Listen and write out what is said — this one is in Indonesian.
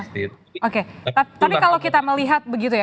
tapi kalau kita melihat begitu ya